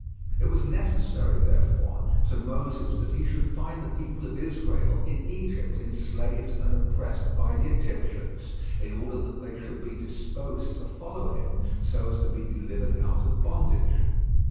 It was necessary, therefore, to Moses that he should find the people of Israel in Egypt enslaved and oppressed by the Egyptians, in order that they should be disposed to follow him so as to be delivered out of bondage.